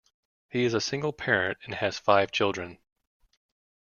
He is a single parent and has five children.